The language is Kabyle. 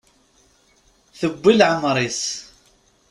Tewwi leɛmer-is.